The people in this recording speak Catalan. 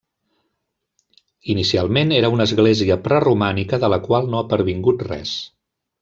Inicialment era una església preromànica de la qual no ha pervingut res.